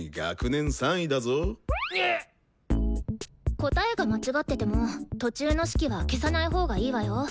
答えが間違ってても途中の式は消さないほうがいいわよ。